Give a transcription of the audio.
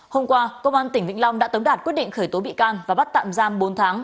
hôm qua công an tỉnh vĩnh long đã tống đạt quyết định khởi tố bị can và bắt tạm giam bốn tháng